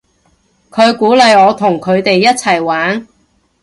佢鼓勵我同佢哋一齊玩